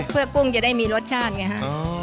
เพื่อกุ้งจะได้มีรสชาติไงฮะ